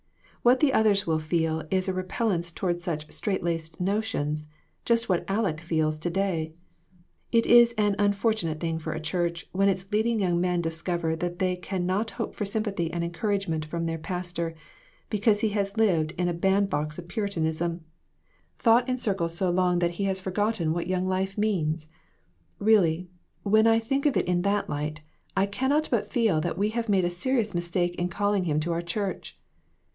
"What the others will feel is a repellence toward such strait laced notions ; just what Aleck feels to day. It is an unfortunate thing for a church when its leading young men discover that they can not hope for sympathy and encouragement from their pastor, because he has lived in a band box of Puritanism ; thought in circles so long that 254 READY TO MAKE SACRIFICES. he has forgotten what young life means. Really, when I think of it in that light I cannot but feel that we have made a serious mistake in calling him to our church.